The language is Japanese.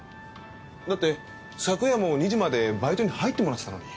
だって昨夜も２時までバイトに入ってもらってたのに。